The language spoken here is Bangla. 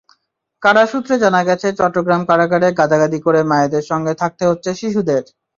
কারা সূত্রে জানা গেছে, চট্টগ্রাম কারাগারে গাদাগাদি করে মায়েদের সঙ্গে থাকতে হচ্ছে শিশুদের।